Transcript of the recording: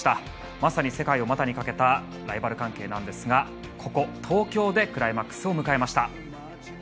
まさに世界を股にかけたライバル関係なんですがここ東京でクライマックスを迎えました。